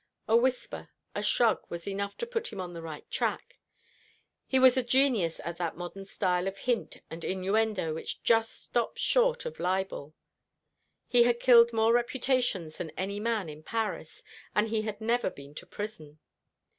A whisper, a shrug was enough to put him on the right track. He was a genius at that modern style of hint and innuendo which just stops short of libel. He had killed more reputations than any man in Paris: and he had never been to prison.